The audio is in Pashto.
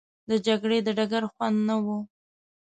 د جګړې د ډګر خوند نه وو.